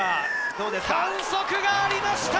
反則がありました。